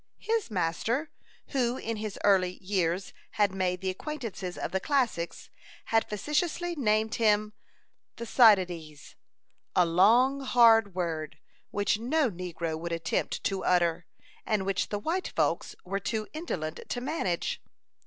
His master, who in his early years had made the acquaintance of the classics, had facetiously named him Thucydides a long, hard word, which no negro would attempt to utter, and which the white folks were too indolent to manage.